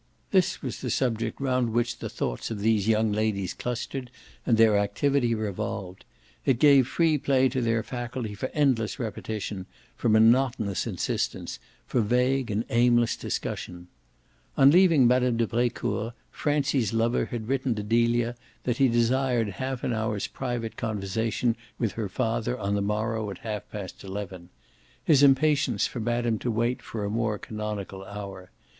This was the subject round which the thoughts of these young ladies clustered and their activity revolved; it gave free play to their faculty for endless repetition, for monotonous insistence, for vague and aimless discussion. On leaving Mme. de Brecourt Francie's lover had written to Delia that he desired half an hour's private conversation with her father on the morrow at half past eleven; his impatience forbade him to wait for a more canonical hour.